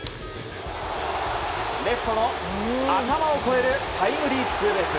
レフトの頭を越えるタイムリーツーベース。